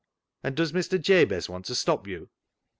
" And does Mr. Jabez want to stop you